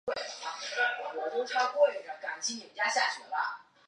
治所在今江西省南城县。